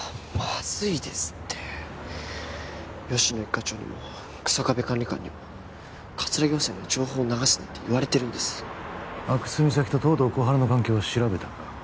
まずいですって吉乃一課長にも日下部管理官にも葛城補佐には情報流すなって言われてるんです阿久津実咲と東堂心春の関係は調べたか？